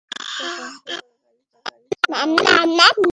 মুখটা বন্ধ করে গাড়ি চালাও, মূর্খ।